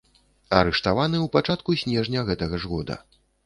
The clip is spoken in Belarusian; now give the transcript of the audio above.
Арыштаваны ў пачатку снежня гэтага ж года.